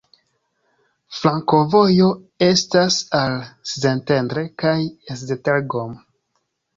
Flankovojo estas al Szentendre kaj Esztergom.